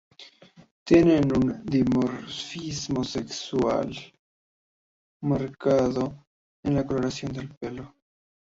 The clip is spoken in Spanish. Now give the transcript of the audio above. Tienen un dimorfismo sexual marcado en la coloración del pelo.